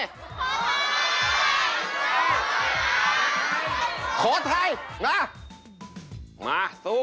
เสาคำยันอาวุธิ